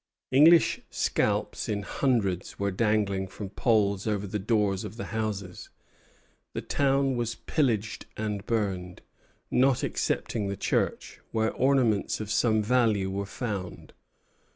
English scalps in hundreds were dangling from poles over the doors of the houses. The town was pillaged and burned, not excepting the church, where ornaments of some value were found.